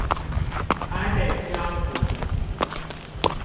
台北家族